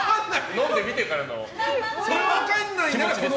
飲んでみてからの。